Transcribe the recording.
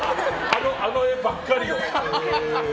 あの画ばっかりを？